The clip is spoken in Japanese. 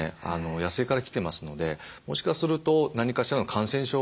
野生から来てますのでもしかすると何かしらの感染症を持っていてですね